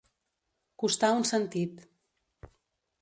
Costar un sentit.